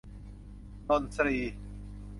นนทรีย์